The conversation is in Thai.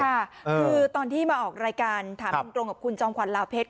คือตอนที่มาออกรายการถามตรงกับคุณจอมขวัลลาวเพชร